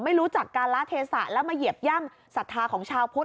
ไม่รู้จักการละเทศะแล้วมาเหยียบย่ำศรัทธาของชาวพุทธ